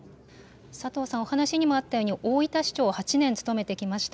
佐藤さん、お話にもあったように大分市長を８年務めてきました。